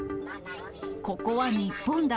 ここは日本だ。